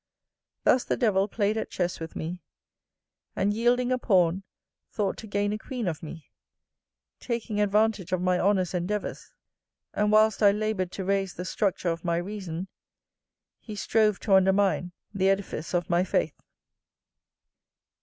Thus the devil played at chess with me, and, yielding a pawn, thought to gain a queen of me; taking advantage of my honest endeavours; and, whilst I laboured to raise the structure of my reason, he strove to undermine the edifice of my faith.